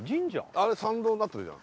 あれ参道になってるじゃん